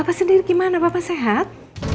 bapak sendiri gimana bapak sehat